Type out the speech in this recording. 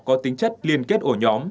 có tính chất liên kết ổ nhỏ